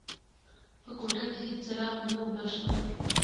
په کوټه کې هیڅ څراغ نه و بل شوی.